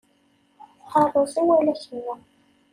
Taruẓi wala kennu.